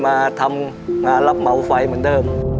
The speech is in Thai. มาทำงานรับเหมาไฟเหมือนเดิม